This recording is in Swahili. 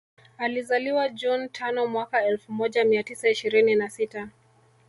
Alizaliwa June tano mwaka elfu moja mia tisa ishirini na sita